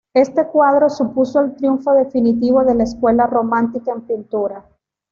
Este cuadro supuso el triunfo definitivo de la escuela romántica en pintura.